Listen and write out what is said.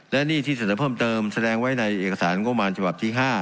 และหนี้ที่เสนอเพิ่มเติมแสดงไว้ในเอกสารงบประมาณฉบับที่๕